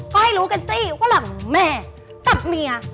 ก็ให้รู้กันสิว่ารักแม่จับเมีย